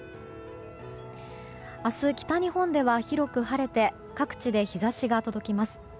明日、北日本では広く晴れて各地で日差しが届きます。